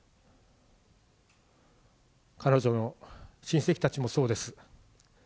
彼女の親戚たちもそうです。